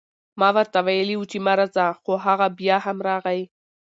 ما ورته وئيلي وو چې مه راځه، خو هغه بيا هم راغی